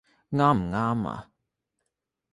啱唔啱呀？